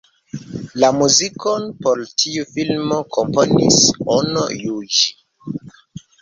La muzikon por tiu filmo komponis Ono Juĝi.